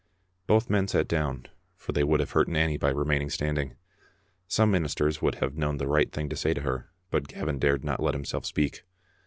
Both men sat down, for they would have hurt Nanny by remaining standing. Some ministers would have known the right thing to say to her, but Gavin dared not let himself speak.